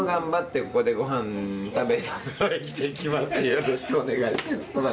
よろしくお願いします。